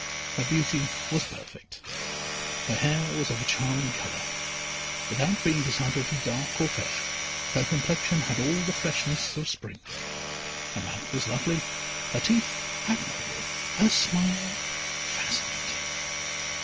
Her beauty was perfect. Her hair was of a charming colour. Without being decidedly dark or fair, her complexion had all the freshness of spring. Her mouth was lovely, her teeth admirable, her smile fascinating.